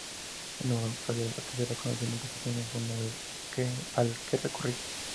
El hombre sabio ‘atesora conocimiento’ y así tiene un fondo al que recurrir.